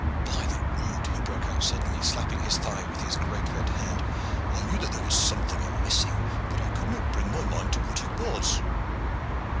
"By the rood!" he broke out suddenly, slapping his thigh with his great red hand, "I knew that there was something a missing, but I could not bring to my mind what it was."